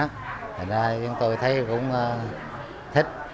thành ra chúng tôi thấy cũng thích